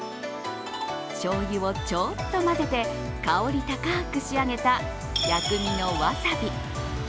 しょうゆをちょっと混ぜて香り高く仕上げた薬味のわさび。